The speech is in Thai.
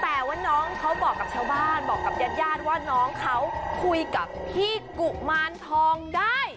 แต่ว่าน้องเขาบอกกับชาวบ้านบอกกับญาติญาติว่าน้องเขาคุยกับพี่กุมารทองได้